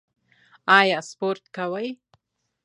ایا سپورت کوئ؟